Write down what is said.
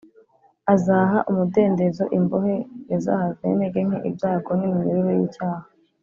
. Azaha umudendezo imbohe yazahajwe n’intege nke, ibyago n’iminyururu y’icyaha.